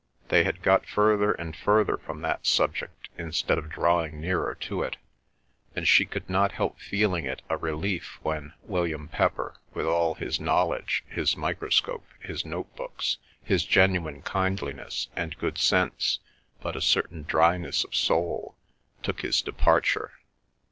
They had got further and further from that subject instead of drawing nearer to it, and she could not help feeling it a relief when William Pepper, with all his knowledge, his microscope, his note books, his genuine kindliness and good sense, but a certain dryness of soul, took his departure.